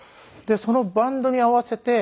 そのバンドに合わせて。